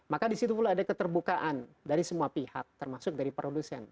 maka disitu pula ada keterbukaan dari semua pihak termasuk dari produsen